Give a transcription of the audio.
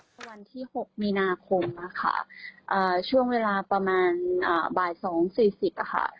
วันที่๖มีนาคมนะคะช่วงเวลาประมาณบ่าย๒๔๐ค่ะ